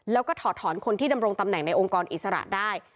แล้วก็ถอดถอนคนที่ดำรงตำแหน่งในองค์กรอิสระได้